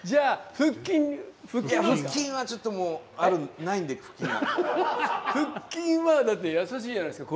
腹筋はちょっともう腹筋はだってやさしいじゃないですか。